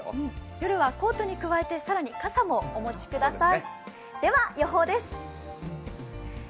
夜はコートに加えて、更に傘もお持ちください。